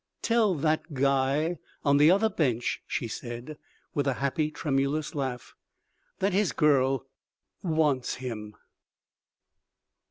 "Tell that guy on the other bench," she said, with a happy, tremulous laugh, "that his girl wants him."